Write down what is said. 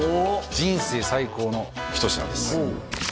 人生最高の一品です